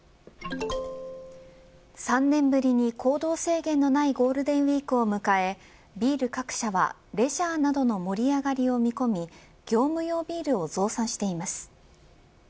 ３年ぶりに行動制限のないゴールデンウイークを迎えビール各社はレジャーなどの盛り上がりを見込み業務用ビールを増産しています。